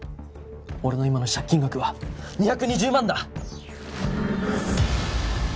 俺の今の借金額は２２０万だ！